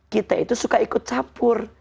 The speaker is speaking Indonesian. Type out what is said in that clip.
kita itu suka ikut campur